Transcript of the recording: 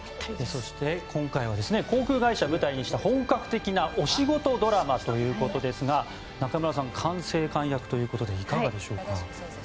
そして今回は航空会社を舞台にした本格的なお仕事ドラマということですが中村さん、管制官役ということでいかがでしょうか。